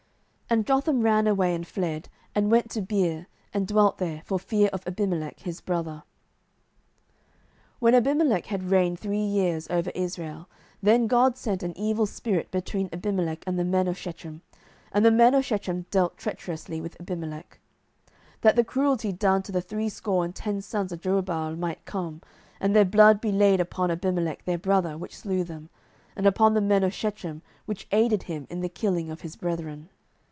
07:009:021 And Jotham ran away, and fled, and went to Beer, and dwelt there, for fear of Abimelech his brother. 07:009:022 When Abimelech had reigned three years over Israel, 07:009:023 Then God sent an evil spirit between Abimelech and the men of Shechem; and the men of Shechem dealt treacherously with Abimelech: 07:009:024 That the cruelty done to the threescore and ten sons of Jerubbaal might come, and their blood be laid upon Abimelech their brother, which slew them; and upon the men of Shechem, which aided him in the killing of his brethren.